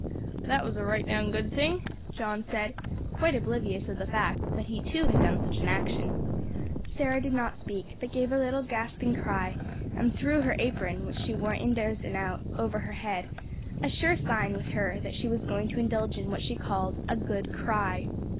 "That was a right down good thing," John said, quite oblivious of the fact that he too had done such an action. Sarah did not speak, but gave a little gasping cry, and threw her apron, which she wore indoors and out, over her head, a sure sign with her that she was going to indulge in what she called "a good cry."